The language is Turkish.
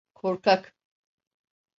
Korkak!